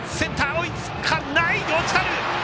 追いつかない、落ちた！